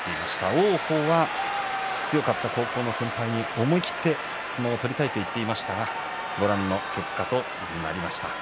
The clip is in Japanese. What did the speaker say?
王鵬は強かった先輩に思い切って相撲を取りたいと言っていましたがご覧の結果になりました。